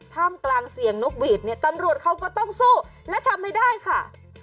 ท่ามกลางเสียงนกหวีดเนี่ยตำรวจเขาก็ต้องสู้และทำให้ได้ค่ะ